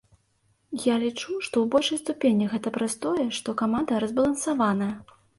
Я лічу, што ў большай ступені гэта праз тое, што каманда разбалансаваная.